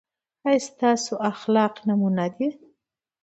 ایا ستاسو اخلاق نمونه دي؟